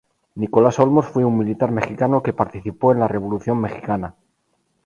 Nicolás Olmos fue un militar mexicano que participó en la Revolución mexicana.